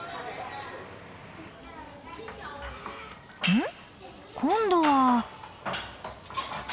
うん？今度は。